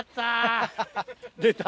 出た。